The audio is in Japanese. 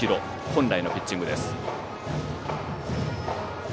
本来のピッチングです。